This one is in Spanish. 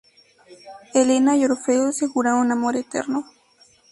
Helena y Orfeo se juraron amor eterno.